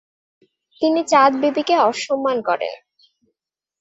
তিনি চাঁদ বিবিকে অসম্মান করেন।